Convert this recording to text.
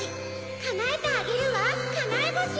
かなえてあげるわかなえぼし。